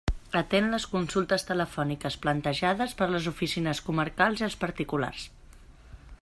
Atén les consultes telefòniques plantejades per les oficines comarcals i els particulars.